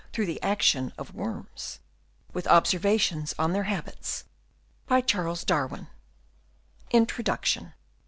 THROUGH THE ACTION OF WORMS, WITH OBSERVATIONS ON THEIR HABITS. INTRODUCTION.